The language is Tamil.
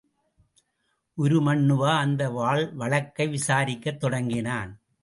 உருமண்ணுவா அந்த வழக்கை விசாரிக்கத் தொடங்கினான்.